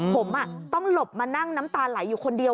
ผมต้องหลบมานั่งน้ำตาไหลอยู่คนเดียว